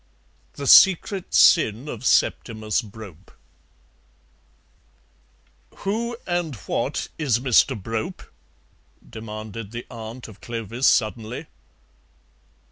THE SECRET SIN OF SEPTIMUS BROPE "Who and what is Mr. Brope?" demanded the aunt of Clovis suddenly.